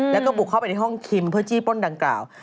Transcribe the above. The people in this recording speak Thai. แล้วก็บุกเข้าไปในห้องคิมเพื่อจี้ป้นดังกล่าว